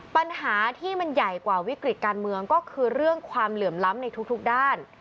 ปัญหาที่มันใหญ่กว่าวิกฤติการเมืองก็คือเรื่องความเหลื่อมล้ำในทุกด้าน